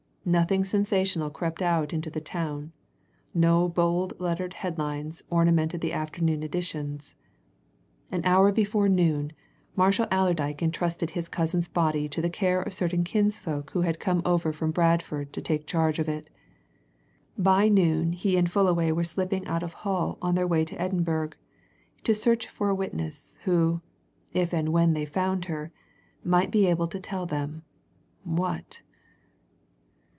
Nothing sensational crept out into the town; no bold lettered headlines ornamented the afternoon editions. An hour before noon Marshall Allerdyke entrusted his cousin's body to the care of certain kinsfolk who had come over from Bradford to take charge of it; by noon he and Fullaway were slipping out of Hull on their way to Edinburgh to search for a witness, who, if and when they found her, might be able to tell them what?